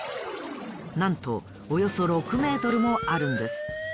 なんとおよそ６メートルもあるんです。